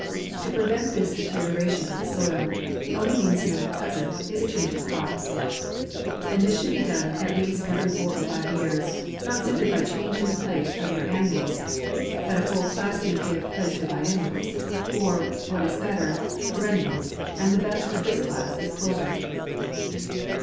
To prevent this deterioration of the soil, the only means known at present, is a change of crops : and this should be JANUARY. 13 <!one at least every four or five years, not *imply by changing the place of your annu als, that whole class must give place to bien nials, or what is better, perennials, and the best of this class is clover.